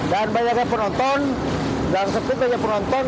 dan banyaknya penonton dan seput banyak penonton